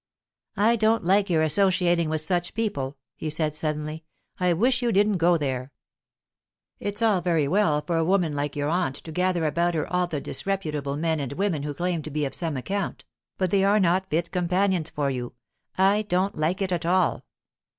"I don't like your associating with such people," he said suddenly. "I wish you didn't go there. It's all very well for a woman like your aunt to gather about her all the disreputable men and women who claim to be of some account, but they are not fit companions for you. I don't like it at all."